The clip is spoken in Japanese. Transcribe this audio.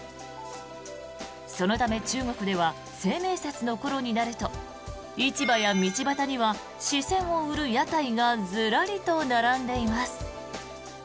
そのため、中国では清明節の頃になると市場や道端には紙銭を売る屋台がずらりと並んでいます。